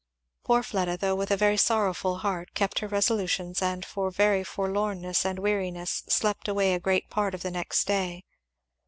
Poor Fleda, though with a very sorrowful heart, kept her resolutions, and for very forlornness and weariness slept away a great part of the next day.